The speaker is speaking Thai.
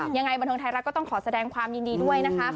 ยังไงบรรทงธรรมดิก็ต้องขอแสดงความยินดีด้วยนะคะ